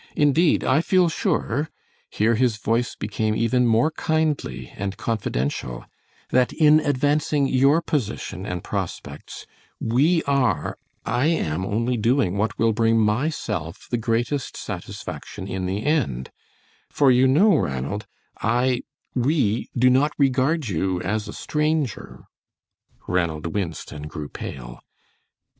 Indeed, I feel sure" here his voice became even more kindly and confidential "that in advancing your position and prospects we are I am only doing what will bring myself the greatest satisfaction in the end, for you know, Ranald, I we do not regard you as a stranger." Ranald winced and grew pale.